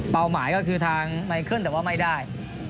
เป้าหมายก็คือทางไม่เคลื่อนแต่ว่าไม่ได้